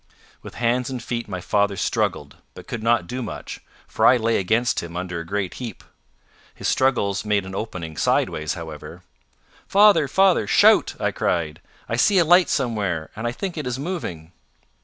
With hands and feet my father struggled, but could not do much, for I lay against him under a great heap. His struggles made an opening sideways however. "Father! father! shout," I cried. "I see a light somewhere; and I think it is moving."